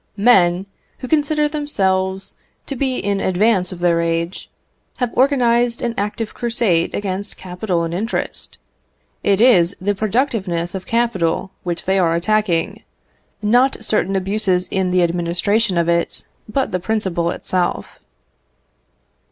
Men, who consider themselves to be in advance of their age, have organised an active crusade against capital and interest; it is the productiveness of capital which they are attacking; not certain abuses in the administration of it, but the principle itself.